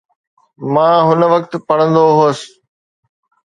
مان هن وقت پڙهندو هوس.